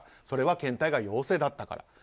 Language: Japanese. それは検体が陽性だったから。